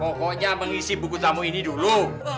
pokoknya mengisi buku tamu ini dulu